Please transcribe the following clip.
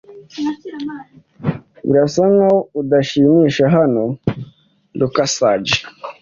Birasa nkaho udashimisha hano lucasjl